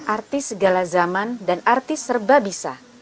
artis segala zaman dan artis serba bisa